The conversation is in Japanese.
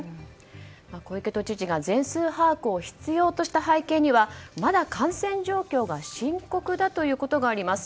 小池都知事が全数把握を必要とした背景にはまだ感染状況が深刻だということがあります。